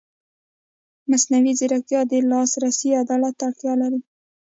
مصنوعي ځیرکتیا د لاسرسي عدالت ته اړتیا لري.